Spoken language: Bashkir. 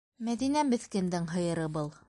Мәҙинә меҫкендең һыйыры был.